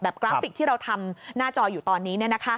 กราฟิกที่เราทำหน้าจออยู่ตอนนี้